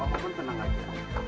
apa pun tenang aja